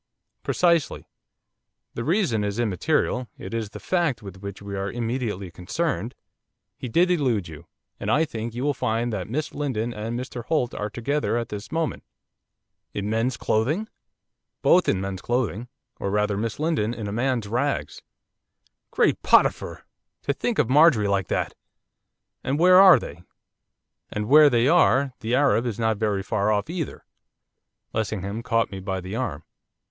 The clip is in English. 'Precisely; the reason is immaterial, it is the fact with which we are immediately concerned. He did elude you. And I think you will find that Miss Lindon and Mr Holt are together at this moment.' 'In men's clothing?' 'Both in men's clothing, or, rather, Miss Lindon is in a man's rags.' 'Great Potiphar! To think of Marjorie like that!' 'And where they are, the Arab is not very far off either.' Lessingham caught me by the arm.